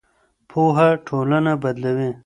پوهه ټولنه بدلوي.